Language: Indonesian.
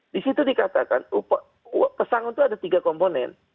di situ dikatakan pesangon itu ada tiga komponen